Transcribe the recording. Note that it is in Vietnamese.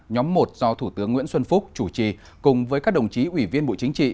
nhóm một do thủ tướng nguyễn xuân phúc chủ trì cùng với các đồng chí ủy viên bộ chính trị